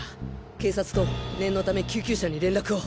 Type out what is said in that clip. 警察と念のため救急車に連絡を！